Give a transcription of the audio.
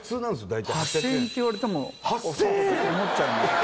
大体８０００円っていわれても８０００円！思っちゃうんです